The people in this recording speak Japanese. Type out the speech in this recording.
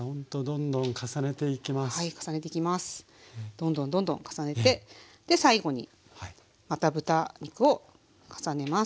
どんどんどんどん重ねて最後にまた豚肉を重ねます。